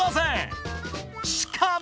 ［しかも］